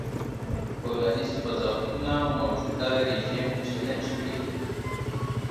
ټولنیز خوځښتونه موجوده رژیم چلنج کړي.